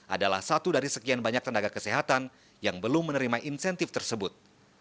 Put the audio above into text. adalah satu dari sekian banyak tenaga kesehatan yang belum menerima insentif tersebut